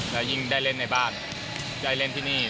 แล้วยิ่งได้เล่นในบ้านได้เล่นที่นี่